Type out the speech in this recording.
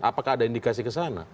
apakah ada indikasi ke sana